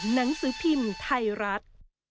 หนังสือพิมพ์ไทยรัฐ